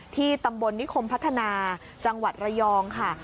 ที่ตำบลนิคมพัฒนาจังหวัดระยองค่ะ